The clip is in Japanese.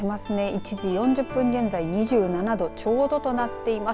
１時４０分現在２７度ちょうどとなっています。